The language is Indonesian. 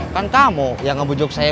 kan kamu yang ngebujuk saya